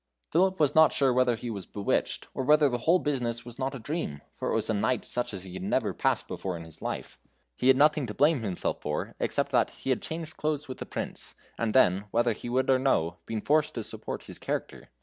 Phipip was not sure whether he was bewitched, or whether the whole business was not a dream, for it was a night such as he had never passed before in his life. He had nothing to blame himself for except that he had changed clothes with the Prince, and then, whether he would or no, been forced to support his character.